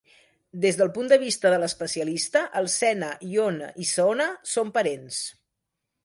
Des del punt de vista de l'especialista, el Sena, Yonne i Saona són parents.